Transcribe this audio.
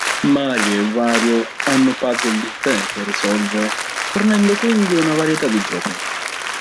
Mario e Wario hanno puzzle differenti da risolvere, fornendo quindi una varietà di gioco.